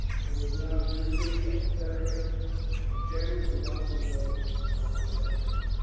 It was now Tuesday, and Frederick determined to march away on the Saturday.